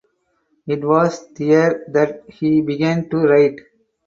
It was there that he began to write.